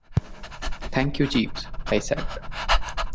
"Thank you, Jeeves," I said.